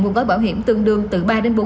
mua gói bảo hiểm tương đương từ ba bốn